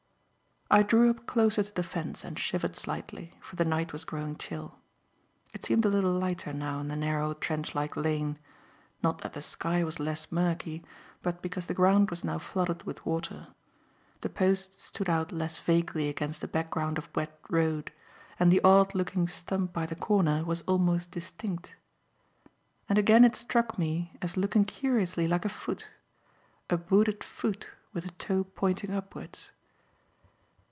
I drew up closer to the fence and shivered slightly, for the night was growing chill. It seemed a little lighter now in the narrow, trench like lane; not that the sky was less murky but because the ground was now flooded with water. The posts stood out less vaguely against the background of wet road, and the odd looking stump by the corner was almost distinct. And again it struck me as looking curiously like a foot a booted foot with the toe pointing upwards.